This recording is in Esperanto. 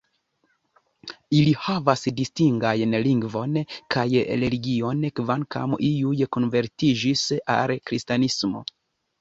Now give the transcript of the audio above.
Ili havas distingajn lingvon kaj religion, kvankam iuj konvertiĝis al Kristanismo.